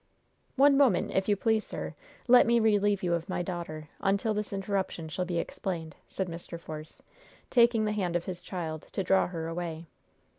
"One moment, if you please, sir. Let me relieve you of my daughter, until this interruption shall be explained," said Mr. Force, taking the hand of his child, to draw her away.